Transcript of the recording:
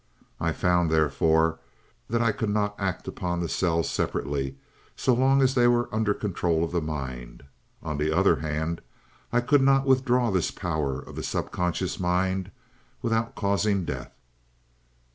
"I found, therefore, that I could not act upon the cells separately, so long as they were under control of the mind. On the other hand, I could not withdraw this power of the subconscious mind without causing death.